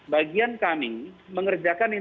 bagian kami mengerjakan yang